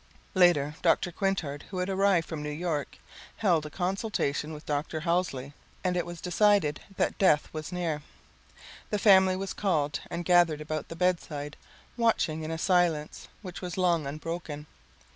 Later Dr. Quintard, who had arrived from New York, held a consultation with Dr. Halsey, and it was decided that death was near. The family was called and gathered about the bedside watching in a silence which was long unbroken.